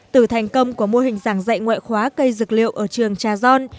từ thành công của mô hình giảng dạy ngoại khóa cây dược liệu ở trường trà gion